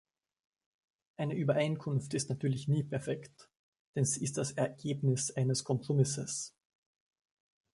Eine Übereinkunft ist natürlich nie perfekt, denn sie ist das Ergebnis eines Kompromisses.